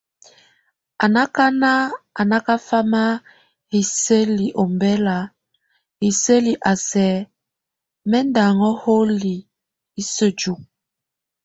A nákan a nákafama hiseli ombɛla, hiseli a sɛk mɛ́ ndʼ aŋo holi, isejuk.